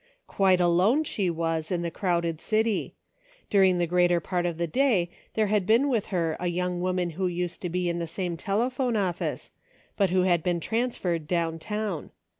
Quite alone, she was, in the crowded city, Dur ing the greater part of the day there had been with her a young woman who used to be in the same telepnone office, but who had been trans ferred down town.